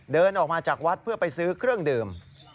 เดินออกมาจากวัดเพื่อไปซื้อเครื่องดื่ม